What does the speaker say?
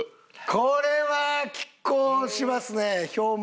これは拮抗しますね票も。